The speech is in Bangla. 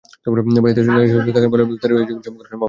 বাড়িতে নারীরা সচেষ্ট থাকেন বলেই ইফতারির নানা আয়োজন করা সম্ভব হয়।